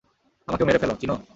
আমাকেও মেরে ফেলো, চিনো!